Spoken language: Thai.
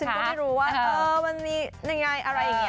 ฉันก็ไม่รู้ว่ามันมีอะไรอย่างนี้